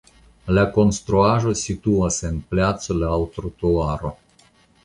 La konstruaĵo situas en placo laŭ trotuaro.